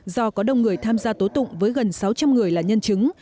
do có đông người tham gia tố tụng với gần sáu trăm linh người là nhân chứng